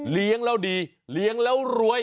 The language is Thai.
เลี้ยงแล้วดีเลี้ยงแล้วรวย